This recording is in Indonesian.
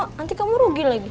nanti kamu rugi lagi